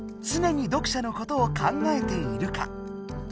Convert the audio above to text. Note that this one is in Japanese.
常に読者のことを考えているか。